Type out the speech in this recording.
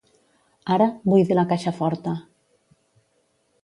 Ara, buide la caixa forta.